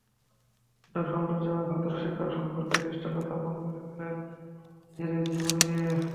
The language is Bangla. অধ্যাপক শামসুজ্জোহা ছাত্র-শিক্ষক সম্পর্কের দৃষ্টান্ত স্থাপন করে গেলেন নিজের জীবন দিয়ে।